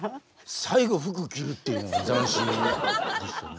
最後服着るっていうのが斬新でしたね。